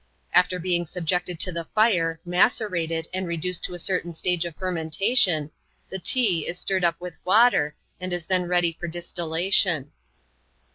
After being subjected to the fire, macerated, and reduced to a certain stage of fermentation, the " Tee*' is stirred up with water, and is then ready for distillation.